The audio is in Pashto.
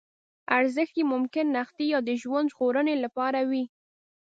ارزښت یې ممکن نغدي یا د ژوند ژغورنې لپاره وي.